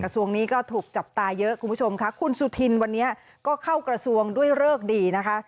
ส่วนนี้ก็ถูกจับตาเยอะคุณผู้ชมค่ะคุณสุธินวันนี้ก็เข้ากระทรวงด้วยเริกดีนะคะ